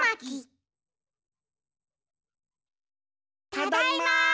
ただいま！